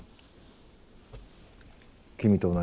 君と同じ？